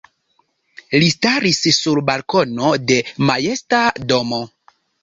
Li staris sur balkono de majesta domo.